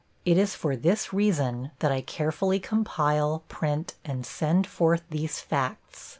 It is for this reason that I carefully compile, print and send forth these facts.